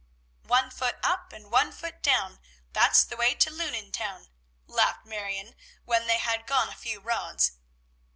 "One foot up, and one foot down, That's the way to Lunnon town," laughed Marion when they had gone a few rods.